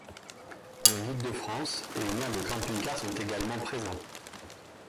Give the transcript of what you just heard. Un gîte de France et une aire de camping-car sont également présents.